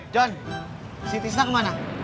john si tisna kemana